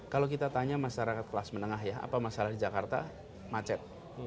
kalau kita tanya masyarakat kelas menengah ya apa masalah di jakarta macet